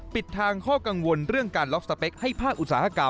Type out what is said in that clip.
ปิดทางข้อกังวลเรื่องการล็อกสเปคให้ภาคอุตสาหกรรม